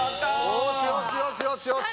よしよしよしよしよし。